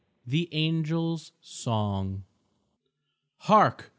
THE ANGELS' SONG "Hark!"